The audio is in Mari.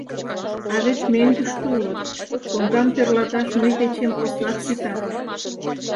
— А вет мӧҥгыштӧ улыт, коҥгам тӧрлаташ мый дечем поснат ситат.